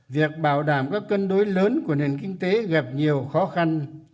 việc bảo đảm các cân đối lớn của nền kinh tế gặp nhiều khó khăn